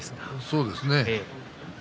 そうですね。